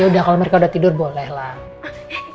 udah kalau mereka udah tidur bolehlah